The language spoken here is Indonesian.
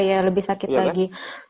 iya lebih sakit lagi